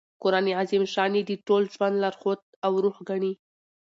قران عظیم الشان ئې د ټول ژوند لارښود او روح ګڼي.